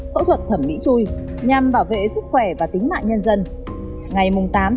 phẫu thuật thẩm mỹ chui nhằm bảo vệ sức khỏe và tính mạng nhân dân